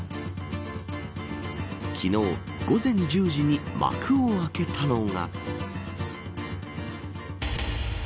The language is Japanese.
昨日午前１０時に幕を開けたのが。